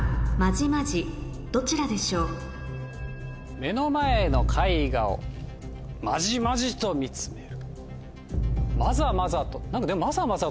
目の前の絵画をまじまじと見つめる。